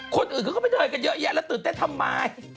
คนอื่นเขาก็ไปเดินกันเยอะแยะแล้วตื่นเต้นทำไม